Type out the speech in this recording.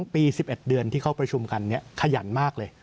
ปี๑๑เดือนที่เข้าประชุมกันขยันมากเลย